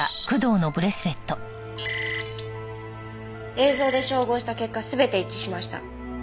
映像で照合した結果全て一致しました。